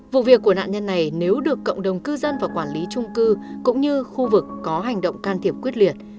vụ việc của nạn nhân này nếu được cộng đồng cư dân và quản lý trung cư cũng như khu vực có hành động can thiệp quyết liệt